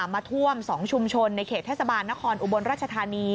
มาท่วม๒ชุมชนในเขตเทศบาลนครอุบลราชธานี